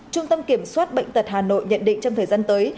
trung tâm kiểm soát bệnh tật hà nội nhận định trong thời gian tới